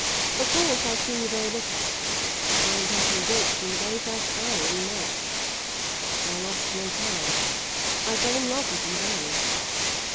Of course I've seen you very little, but my impression dates from the very first hour we met. I lost no time, I fell in love with you then.